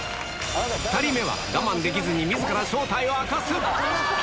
２人目は我慢できずに自ら正体を明かす！